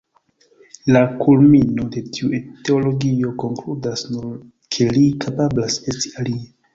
La kulmino de tiu teologio konkludas nur ke “Li kapablas esti alie”.